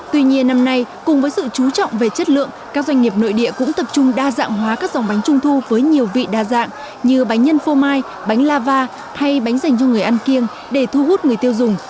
tuy nhiên năm nay cùng với sự chú trọng về chất lượng các doanh nghiệp nội địa cũng tập trung đa dạng hóa các dòng bánh trung thu với nhiều vị đa dạng như bánh nhân phô mai bánh lava hay bánh dành cho người ăn kiêng để thu hút người tiêu dùng